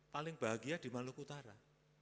paling bahagia di maluku utara